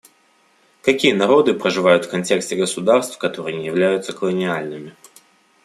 Какие народы проживают в контексте государств, которые не являются колониальными?